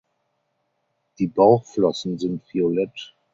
Die Bauchflossen sind violett.